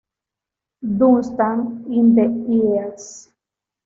Dunstan in the East.